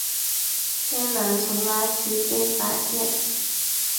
天蓝丛蛙区被发现。